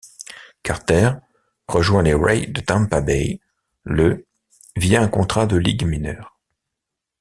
Carter rejoint les Rays de Tampa Bay le via un contrat de ligues mineures.